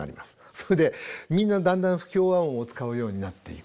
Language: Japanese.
それでみんなだんだん不協和音を使うようになっていく。